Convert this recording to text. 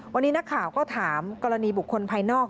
วันนี้นักข่าวก็ถามกรณีบุคคลภายนอก